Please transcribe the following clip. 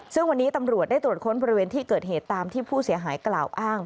ซึ่งวันนี้ตำรวจได้ตรวจค้นบริเวณที่เกิดเหตุตามที่ผู้เสียหายกล่าวอ้าง